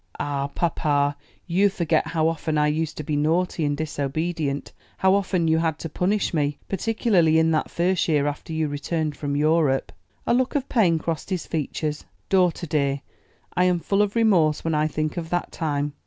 "Ah, papa, you forget how often I used to be naughty and disobedient; how often you had to punish me; particularly in that first year after you returned from Europe." A look of pain crossed his features. "Daughter, dear, I am full of remorse when I think of that time.